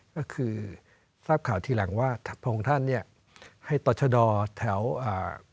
ก็คือทราบข่าวทีหลังว่าพระองค์ท่านเนี้ยให้ต่อชะดอแถวอ่า